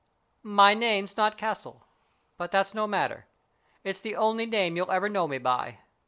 " My name's not Castle, but that's no matter. It's the only name you'll ever know me by.